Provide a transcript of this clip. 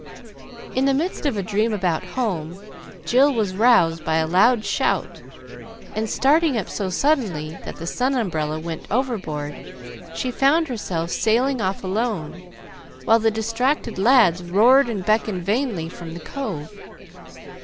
In the midst of a dream about home, Jill was roused by a loud shout, and, starting up so suddenly that the sun umbrella went overboard, she found herself sailing off alone, while the distracted lads roared and beckoned vainly from the cove.